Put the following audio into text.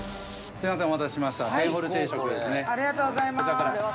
すいませんうわ